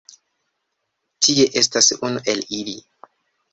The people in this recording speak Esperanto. Tie estas unu el ili